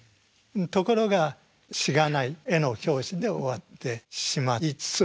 ところがしがない絵の教師で終わってしまいつつあると。